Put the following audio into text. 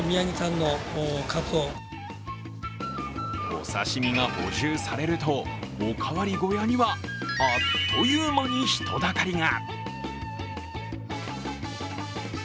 お刺身が補充されると、おかわり小屋にはあっという間に人だかりが。